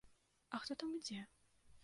А хто там ідзе?